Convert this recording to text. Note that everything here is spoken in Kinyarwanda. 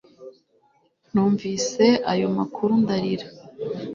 Numvise ayo makuru ndarira